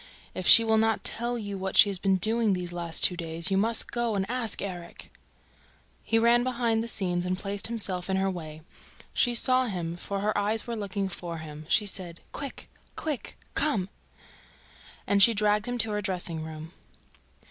If she will not tell you what she has been doing the past two days ... you must go and ask Erik!" He ran behind the scenes and placed himself in her way. She saw him for her eyes were looking for him. She said: "Quick! Quick! ... Come!" And she dragged him to her dressing room.